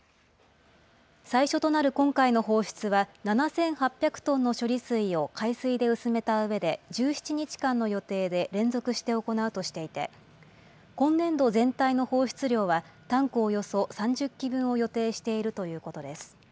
最初となる今回の放出は、７８００トンの処理水を海水で薄めたうえで、１７日間の予定で連続して行うとしていて、今年度全体の放出量は、タンクおよそ３０基分を予定しているということです。